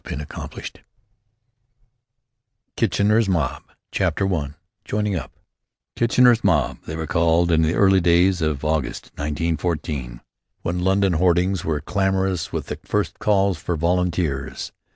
"Sitting Tight" 177 Kitchener's Mob CHAPTER I JOINING UP "Kitchener's Mob" they were called in the early days of August, 1914, when London hoardings were clamorous with the first calls for volunteers.